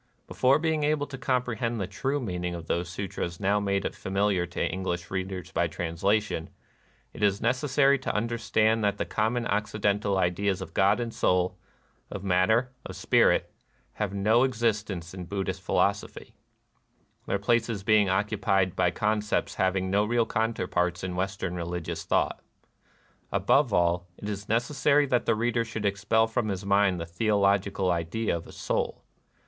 Before being able to comprehend the true meaning of those sutras now made familiar to English readers by translation, it is neces sary to understand that the common Occiden tal ideas of God and Soul, of matter, of spirit, have no existence in Buddhist philosophy ; their places being occupied by concepts hav ing no real counterparts in Western religious thought. Above all, it is necessary that the reader should expel from his mind the theolo gical idea of Soul.